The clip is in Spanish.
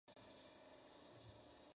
Fuentes: Discogs y notas de "No Doubt".